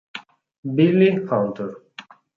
Billy Hunter